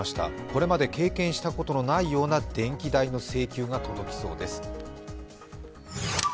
これまで経験したことのないような電気代の請求が届きそうです。